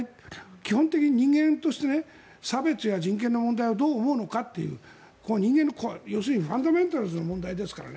基本的に人間として差別や人権の問題をどう思うのかという人間の要するにファンダメンタルズの問題ですからね